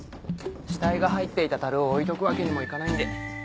死体が入っていた樽を置いとくわけにもいかないんで。